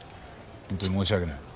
本当に申し訳ない。